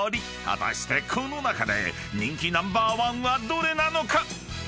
［果たしてこの中で人気ナンバーワンはどれなのか？］